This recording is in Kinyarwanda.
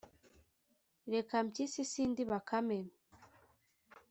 “Reka Mpyisi sindi Bakame